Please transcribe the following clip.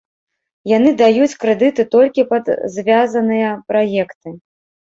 Яны даюць крэдыты толькі пад звязаныя праекты.